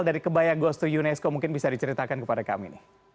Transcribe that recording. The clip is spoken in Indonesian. dari kebaya goes to unesco mungkin bisa diceritakan kepada kami nih